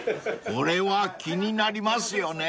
［これは気になりますよね］